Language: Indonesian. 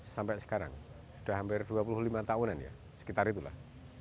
seribu sembilan ratus delapan puluh sembilan sampai sekarang sudah hampir dua puluh lima tahunan ya sekitar itulah